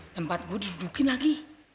tempat gue disudukin lagi